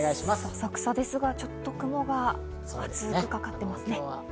浅草ですが、ちょっと雲が厚くかかってますね。